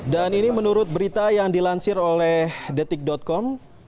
dan ini menurut berita yang dilansir oleh detik com